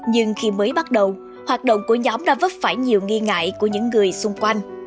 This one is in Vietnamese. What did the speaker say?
nhưng khi mới bắt đầu hoạt động của nhóm đã vấp phải nhiều nghi ngại của những người xung quanh